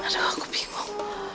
aduh aku bingung